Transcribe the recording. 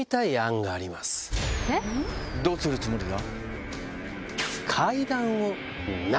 どうするつもりだ？